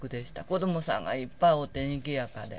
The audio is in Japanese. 子どもさんがいっぱいおって、にぎやかで。